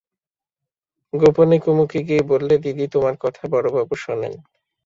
গোপনে কুমুকে গিয়ে বললে, দিদি, তোমার কথা বড়োবাবু শোনেন।